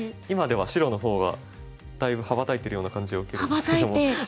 今では白の方がだいぶ羽ばたいてるような感じを受けるんですけども。